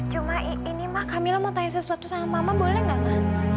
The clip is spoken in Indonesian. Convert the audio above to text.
cuma ini ma kamilah mau tanya sesuatu sama mama boleh tidak ma